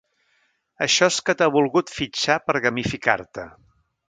Això és que t'ha volgut fitxar per gamificar-te.